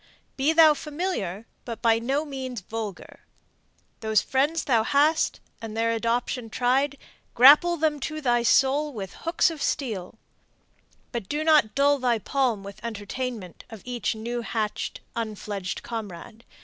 Be thou familiar, but by no means vulgar. Those friends thou hast, and their adoption tried, Grapple them to thy soul with hooks of steel; But do not dull thy palm with entertainment Of each new hatch'd, unfledged comrade.